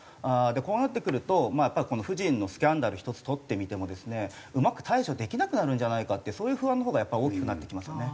こうなってくるとまあやっぱり夫人のスキャンダル１つ取ってみてもですねうまく対処できなくなるんじゃないかっていうそういう不安のほうがやっぱり大きくなってきますよね。